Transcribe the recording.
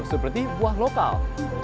seperti buah lokal